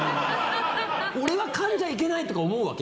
俺はかんじゃいけないって思うのよ。